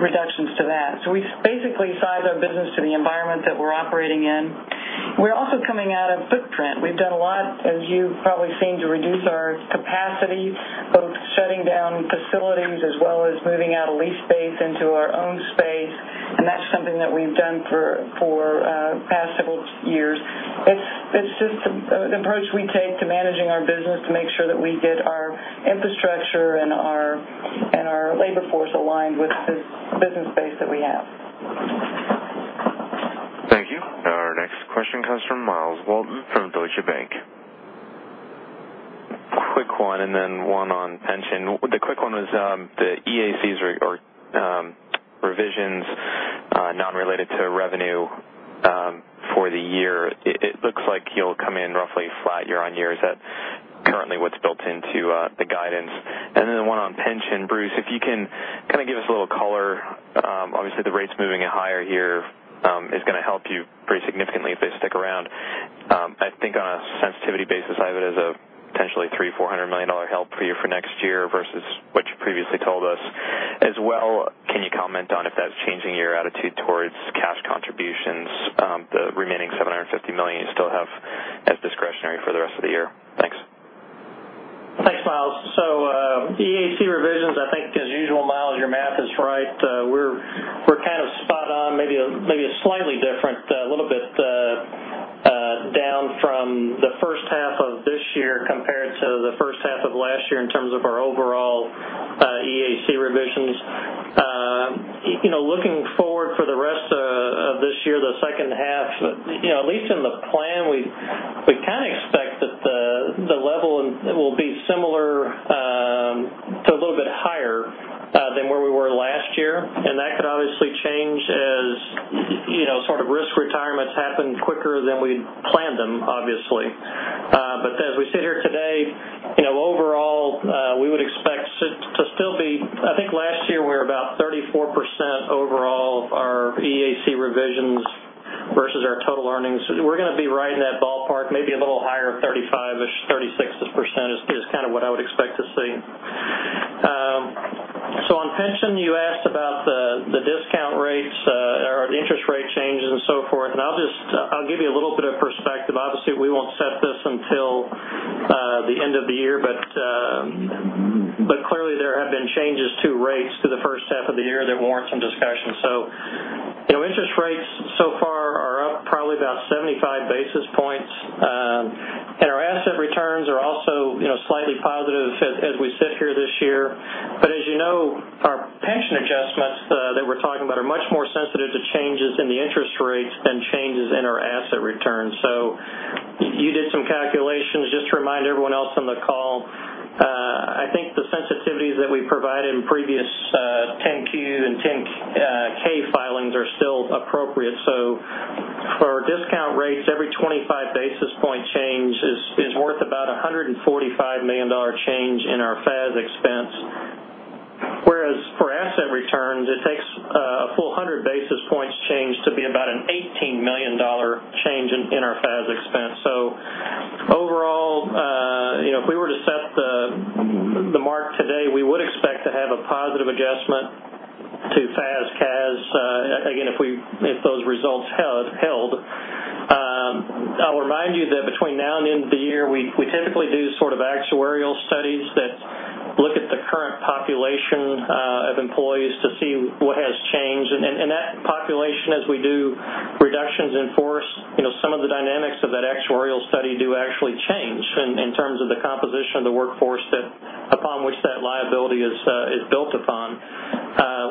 reductions to that. We basically size our business to the environment that we're operating in. We're also coming out of footprint. We've done a lot, as you've probably seen, to reduce our capacity, both shutting down facilities as well as moving out of lease space into our own space. That's something that we've done for the past several years. It's just an approach we take to managing our business to make sure that we get our infrastructure and our labor force aligned with this business space that we have. Thank you. Our next question comes from Myles Walton from Deutsche Bank. Quick one and then one on pension. The quick one was the EACs or revisions, non-related to revenue for the year. It looks like you'll come in roughly flat year-on-year. Is that currently what's built into the guidance? One on pension, Bruce, if you can kind of give us a little color. Obviously, the rates moving higher here is going to help you pretty significantly if they stick around. I think on a sensitivity basis, I have it as a potentially three, $400 million help for you for next year versus what you previously told us. As well, can you comment on if that's changing your attitude towards cash contributions, the remaining $750 million you still have as discretionary for the rest of the year? Thanks. Thanks, Myles. EAC revisions, I think as usual, Myles, your math is right. We're kind of spot on, maybe a slightly different, a little bit down from the first half of this year compared to the first half of last year in terms of our overall EAC revisions. Looking forward for the rest of this year, the second half, at least in the plan, we kind of expect that the level will be similar to a little bit higher than where we were last year, and that could obviously change as risk retirements happen quicker than we planned them, obviously. But as we sit here today, overall, we would expect to still be, I think last year we were about 34% overall of our EAC revisions versus our total earnings. We're going to be right in that ballpark, maybe a little higher, 35%-ish, 36%-ish is kind of what I would expect to see. On pension, you asked about the discount rates or the interest rate changes and so forth, I'll give you a little bit of perspective. Obviously, we won't set this until the end of the year, but clearly there have been changes to rates for the first half of the year that warrant some discussion. Interest rates so far are up probably about 75 basis points. Our asset returns are also slightly positive as we sit here this year. As you know, our pension adjustments that we're talking about are much more sensitive to changes in the interest rates than changes in our asset returns. You did some calculations. Just to remind everyone else on the call, I think the sensitivities that we provided in previous 10-Q and 10-K filings are still appropriate. For discount rates, every 25 basis point change is worth about $145 million change in our FAS expense. Whereas for asset returns, it takes a full 100 basis points change to be about an $18 million change in our FAS expense. Overall, if we were to set the mark today, we would expect to have a positive adjustment to FAS/CAS, again, if those results held. I'll remind you that between now and the end of the year, we typically do sort of actuarial studies that look at the current population of employees to see what has changed workforce upon which that liability is built upon.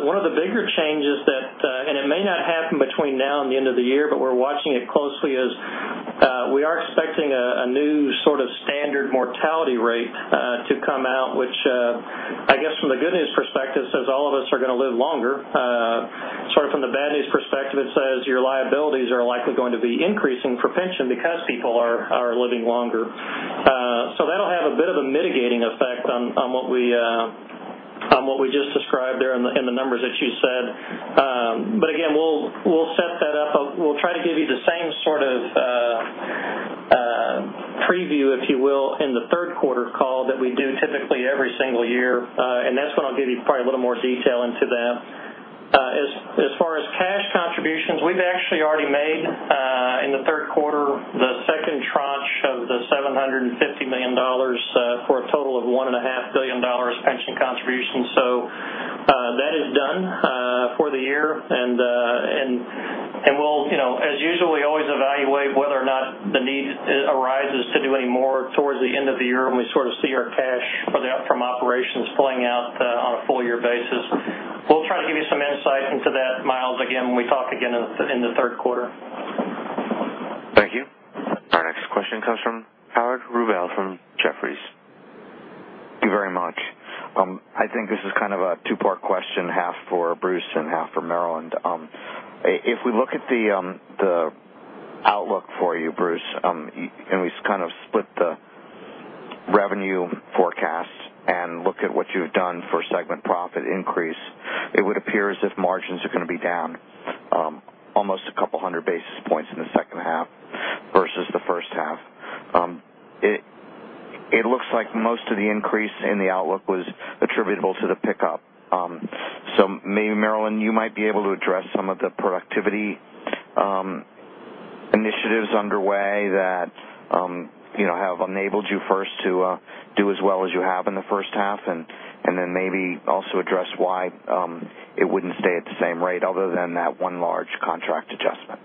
One of the bigger changes that, and it may not happen between now and the end of the year, but we're watching it closely, is we are expecting a new sort of standard mortality rate to come out, which I guess from the good news perspective, says all of us are going to live longer. Sort of from the bad news perspective, it says your liabilities are likely going to be increasing for pension because people are living longer. That'll have a bit of a mitigating effect on what we just described there in the numbers that you said. Again, we'll set that up. We'll try to give you the same sort of preview, if you will, in the third quarter call that we do typically every single year. That's when I'll give you probably a little more detail into that. As far as cash contributions, we've actually already made, in the third quarter, the second tranche of the $750 million for a total of $1.5 billion pension contributions. That is done for the year, and we'll, as usual, we always evaluate whether or not the need arises to do any more towards the end of the year when we sort of see our cash from operations flowing out on a full-year basis. We'll try to give you some insight into that, Myles, again, when we talk again in the third quarter. Thank you. Our next question comes from Howard Rubel from Jefferies. Thank you very much. I think this is kind of a two-part question, half for Bruce and half for Marillyn. If we look at the outlook for you, Bruce, and we kind of split the revenue forecast and look at what you've done for segment profit increase, it would appear as if margins are going to be down almost a couple hundred basis points in the second half versus the first half. It looks like most of the increase in the outlook was attributable to the pickup. Maybe Marillyn, you might be able to address some of the productivity initiatives underway that have enabled you first to do as well as you have in the first half, and then maybe also address why it wouldn't stay at the same rate other than that one large contract adjustment.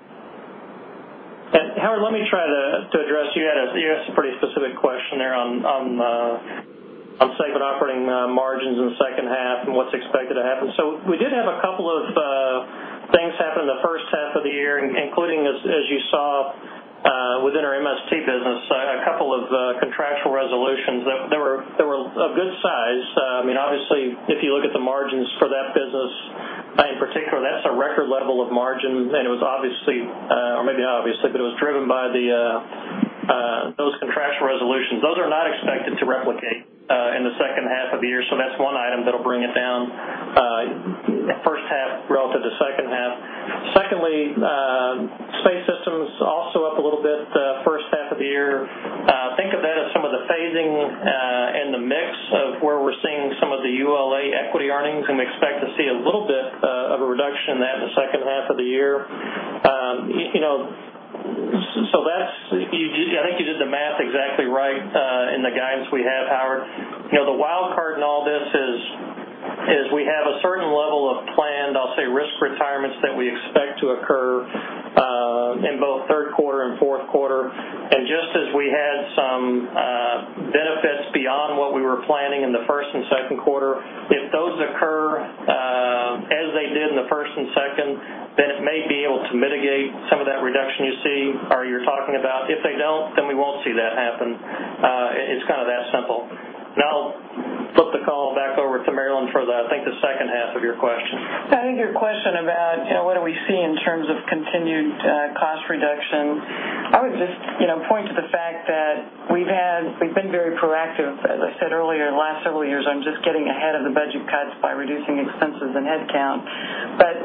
Howard, let me try to address. You asked a pretty specific question there on segment operating margins in the second half and what's expected to happen. We did have a couple of things happen the first half of the year, including, as you saw within our MST business, a couple of contractual resolutions that were a good size. Obviously if you look at the margins for that business in particular, that's a record level of margin, and it was obviously, or maybe not obviously, but it was driven by those contractual resolutions. Those are not expected to replicate in the second half of the year. That's one item that'll bring it down first half relative to second half. Secondly, Space Systems also up a little bit first half of the year. Think of that as some of the phasing and the mix of where we're seeing some of the ULA equity earnings, and we expect to see a little bit of a reduction in that in the second half of the year. I think you did the math exactly right in the guidance we have, Howard. The wild card in all this is we have a certain level of planned, I'll say, risk retirements that we expect to occur, in both third quarter and fourth quarter. Just as we had some benefits beyond what we were planning in the first and second quarter, if those occur as they did in the first and second, it may be able to mitigate some of that reduction you see or you're talking about. If they don't, we won't see that happen. It's kind of that simple. I'll flip the call back over to Marillyn for I think the second half of your question. I think your question about what do we see in terms of continued cost reduction, I would just point to the fact that we've been very proactive, as I said earlier, the last several years on just getting ahead of the budget cuts by reducing expenses and headcount.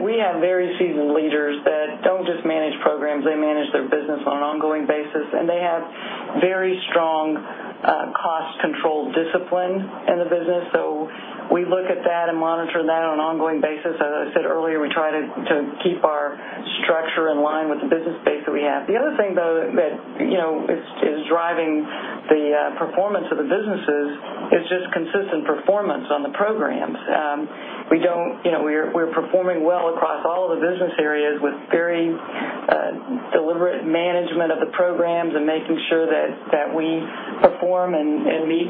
We have very seasoned leaders that don't just manage programs, they manage their business on an ongoing basis, and they have very strong cost control discipline in the business. We look at that and monitor that on an ongoing basis. As I said earlier, we try to keep our structure in line with the business base that we have. The other thing, though, that is driving the performance of the businesses is just consistent performance on the programs. We're performing well across all of the business areas with very deliberate management of the programs and making sure that we perform and meet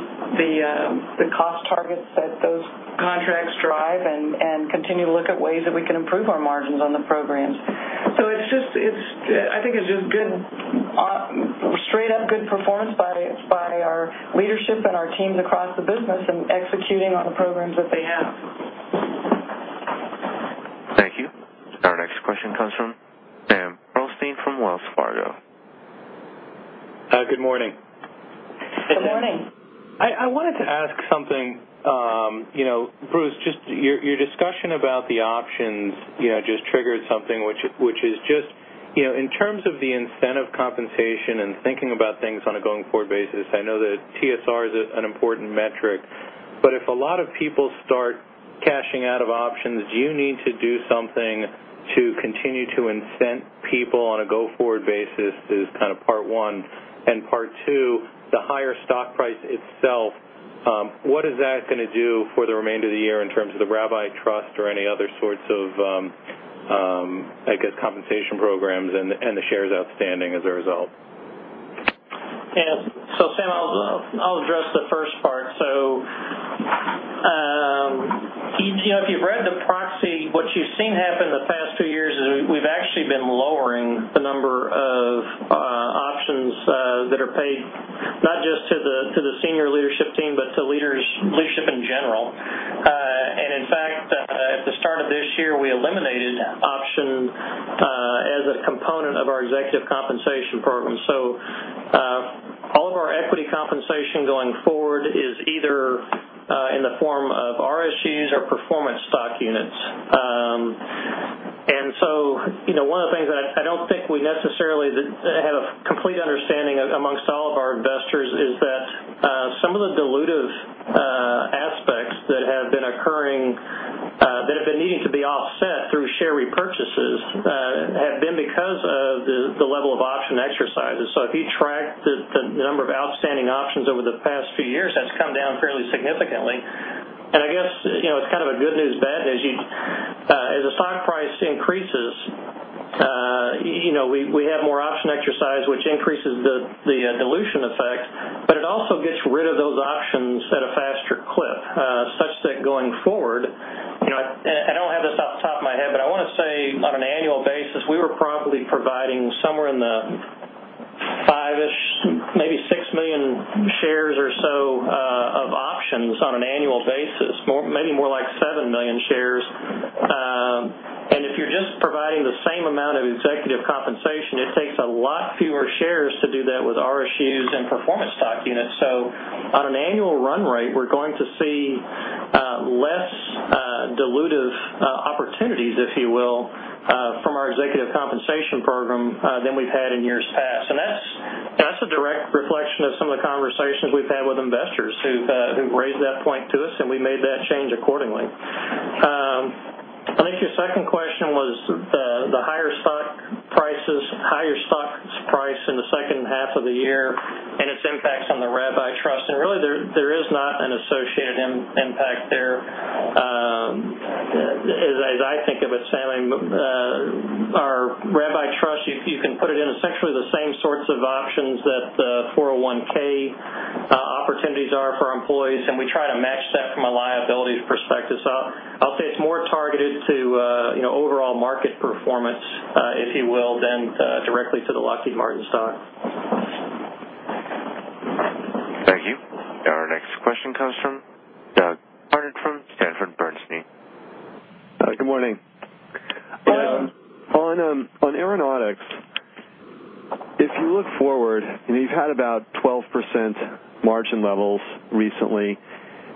the cost targets that those contracts drive and continue to look at ways that we can improve our margins on the programs. I think it's just straight up good performance by our leadership and our teams across the business and executing on the programs that they have. Thank you. Our next question comes from Sam Pearlstein from Wells Fargo. Good morning. Good morning. I wanted to ask something. Bruce, just your discussion about the options just triggered something, which is just in terms of the incentive compensation and thinking about things on a going forward basis, I know that TSR is an important metric, but if a lot of people start cashing out of options, do you need to do something to continue to incent people on a go-forward basis is kind of part one. Part two, the higher stock price itself, what is that going to do for the remainder of the year in terms of the rabbi trust or any other sorts of, I guess, compensation programs and the shares outstanding as a result? What we've seen happen the past few years is we've actually been lowering the number of options that are paid, not just to the senior leadership team, but to leadership in general. In fact, at the start of this year, we eliminated option as a component of our executive compensation program. All of our equity compensation going forward is either in the form of RSUs or performance stock units. One of the things that I don't think we necessarily have a complete understanding of amongst all of our investors is that some of the dilutive aspects that have been occurring, that have been needing to be offset through share repurchases, have been because of the level of option exercises. If you track the number of outstanding options over the past few years, that's come down fairly significantly. I guess, it's kind of a good news, bad news. As the stock price increases, we have more option exercise, which increases the dilution effect, but it also gets rid of those options at a faster clip, such that going forward, I don't have this off the top of my head, but I want to say on an annual basis, we were probably providing somewhere in the five-ish, maybe six million shares or so of options on an annual basis, maybe more like seven million shares. If you're just providing the same amount of executive compensation, it takes a lot fewer shares to do that with RSUs and performance stock units. On an annual run rate, we're going to see less dilutive opportunities, if you will, from our executive compensation program, than we've had in years past. That's a direct reflection of some of the conversations we've had with investors who've raised that point to us, and we made that change accordingly. I think your second question was the higher stock price in the second half of the year and its impacts on the rabbi trust. Really, there is not an associated impact there. As I think of it, Sammy, our rabbi trust, you can put it in essentially the same sorts of options that 401(k) opportunities are for our employees, and we try to match that from a liabilities perspective. I'll say it's more targeted to overall market performance, if you will, than directly to the Lockheed Martin stock. Thank you. Our next question comes from Doug Harned from Sanford C. Bernstein. Hi, good morning. Yeah. On Aeronautics, if you look forward and you've had about 12% margin levels recently,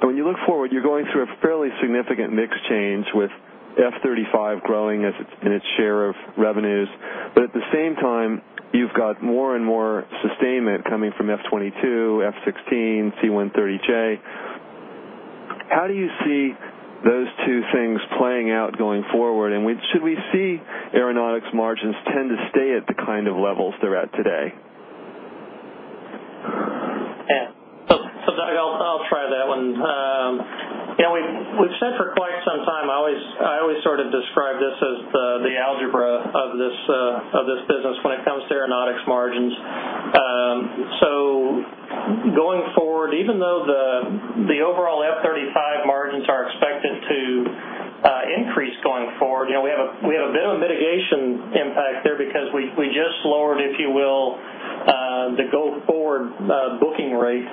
and when you look forward, you're going through a fairly significant mix change with F-35 growing in its share of revenues. At the same time, you've got more and more sustainment coming from F-22, F-16, C-130J. How do you see those two things playing out going forward? Should we see Aeronautics margins tend to stay at the kind of levels they're at today? Yeah. Doug, I'll try that one. We've said for quite some time, I always sort of describe this as the algebra of this business when it comes to Aeronautics margins. Going forward, even though the overall F-35 margins are expected to increase going forward, we have a bit of a mitigation impact there because we just lowered, if you will, the go forward booking rate,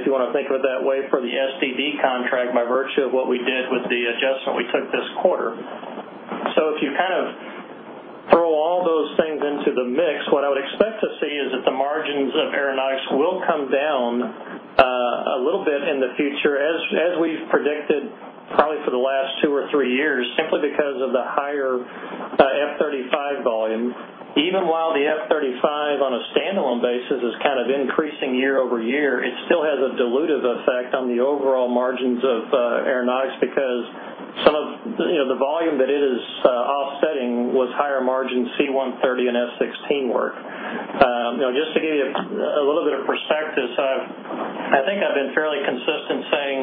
if you want to think of it that way, for the SDD contract by virtue of what we did with the adjustment we took this quarter. If you kind of throw all those things into the mix, what I would expect to see is that the margins of Aeronautics will come down a little bit in the future, as we've predicted probably for the last two or three years, simply because of the higher F-35 volume. Even while the F-35 on a standalone basis is kind of increasing year-over-year, it still has a dilutive effect on the overall margins of Aeronautics because some of the volume that it is offsetting was higher margin C-130 and F-16 work. Just to give you a little bit of perspective, I think I've been fairly consistent saying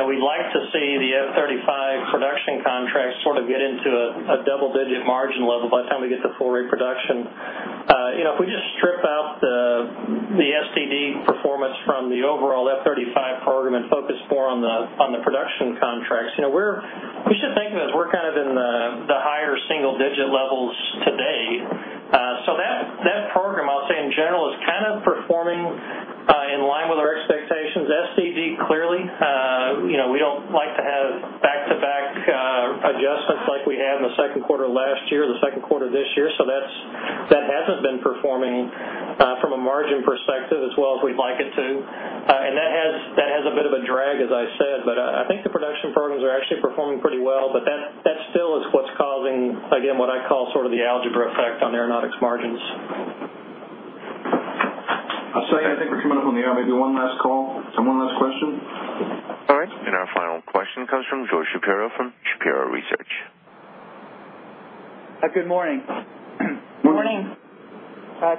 we'd like to see the F-35 production contracts sort of get into a double-digit margin level by the time we get to full rate production. If we just strip out the SDD performance from the overall F-35 program and focus more on the production contracts, we should think of it as we're kind of in the higher single-digit levels today. That program, I'll say in general, is kind of performing in line with our expectations. SDD, clearly, we don't like to have back-to-back adjustments like we had in the second quarter last year or the second quarter this year. That hasn't been performing, from a margin perspective, as well as we'd like it to. That has a bit of a drag, as I said, but I think the production programs are actually performing pretty well. That still is what's causing, again, what I call sort of the algebra effect on Aeronautics margins. I'll say I think we're coming up on the hour. Maybe one last call. One last question. George Shapiro from Shapiro Research. Good morning. Morning.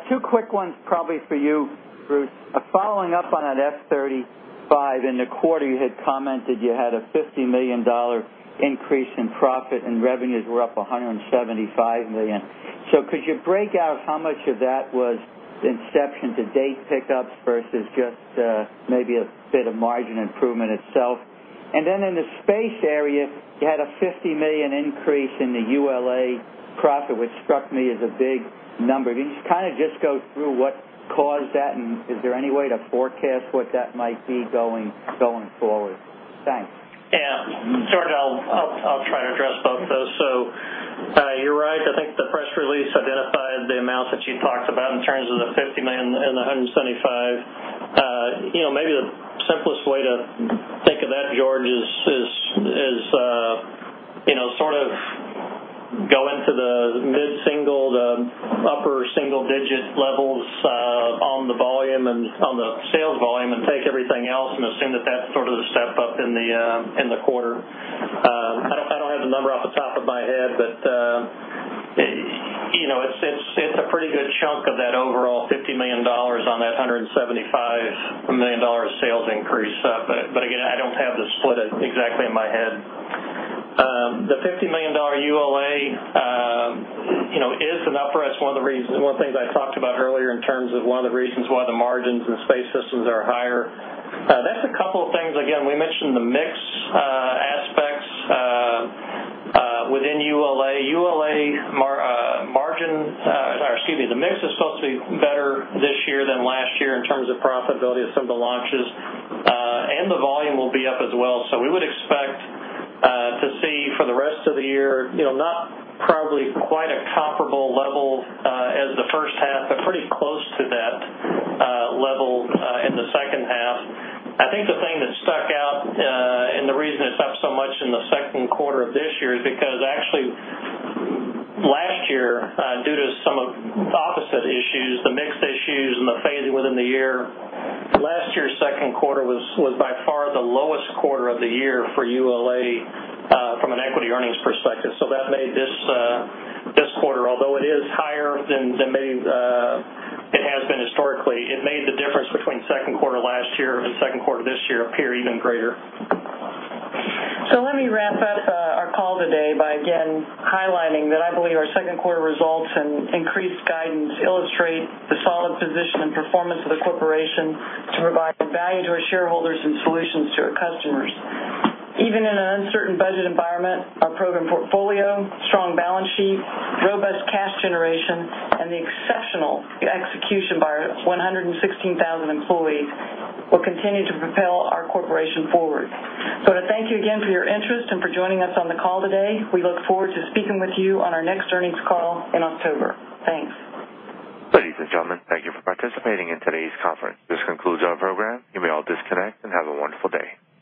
Two quick ones probably for you, Bruce. Following up on that F-35 in the quarter, you had commented you had a $50 million increase in profit and revenues were up $175 million. Could you break out how much of that was inception-to-date pickups versus just maybe a bit of margin improvement itself? In the space area, you had a $50 million increase in the ULA profit, which struck me as a big number. Can you just go through what caused that, and is there any way to forecast what that might be going forward? Thanks. Yeah. George, I'll try to address both those. You're right. I think the press release identified the amount that you talked about in terms of the $50 million and $175. Maybe the simplest way to think of that, George, is sort of go into the mid-single, the upper single-digit levels on the sales volume and take everything else and assume that that's sort of the step-up in the quarter. I don't have the number off the top of my head, but it's a pretty good chunk of that overall $50 million on that $175 million sales increase. Again, I don't have the split exactly in my head. The $50 million ULA is, and I'll press one of the things I talked about earlier in terms of one of the reasons why the margins in Space Systems are higher. That's a couple of things. Again, we mentioned the mix aspects within ULA. The mix is supposed to be better this year than last year in terms of profitability of some of the launches. The volume will be up as well. We would expect to see for the rest of the year, not probably quite a comparable level as the first half, but pretty close to that level in the second half. I think the thing that stuck out, and the reason it's up so much in the second quarter of this year is because actually last year, due to some of the opposite issues, the mix issues and the phasing within the year, last year's second quarter was by far the lowest quarter of the year for ULA, from an equity earnings perspective. That made this quarter, although it is higher than it has been historically, it made the difference between second quarter last year and second quarter this year appear even greater. Let me wrap up our call today by again highlighting that I believe our second quarter results and increased guidance illustrate the solid position and performance of the corporation to provide value to our shareholders and solutions to our customers. Even in an uncertain budget environment, our program portfolio, strong balance sheet, robust cash generation, and the exceptional execution by our 116,000 employees will continue to propel our corporation forward. To thank you again for your interest and for joining us on the call today. We look forward to speaking with you on our next earnings call in October. Thanks. Ladies and gentlemen, thank you for participating in today's conference. This concludes our program. You may all disconnect and have a wonderful day.